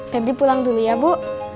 teddy pulang dulu ya bu